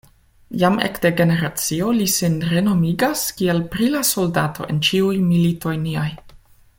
Jam ekde generacio li sin renomigas kiel brila soldato en ĉiuj militoj niaj.